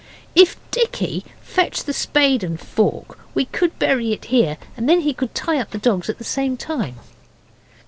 'If Dicky fetched the spade and fork we could bury it here, and then he could tie up the dogs at the same time.